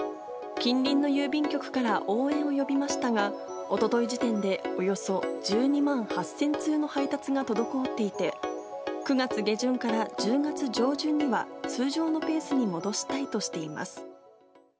近隣の郵便局から応援を呼びましたが、おととい時点でおよそ１２万８０００通の配達が滞っていて、９月下旬から１０月上旬には、通常のペースに戻したいとしています。